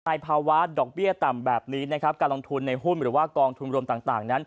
ในภาวะดอกเบี้ยต่ำแบบนี้การลงทุนในหุ้นหรือกลองกองทุนโรมต่าง